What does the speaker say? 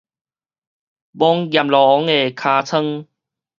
摸閻羅王个尻川